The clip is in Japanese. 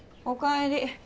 おかえり。